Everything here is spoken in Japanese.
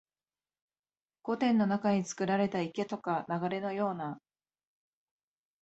御殿の中につくられた池とか流れのような、